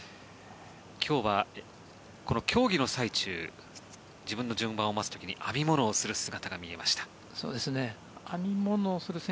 今日はこの競技の最中自分の順番を待つ時に編み物をする姿が見えました。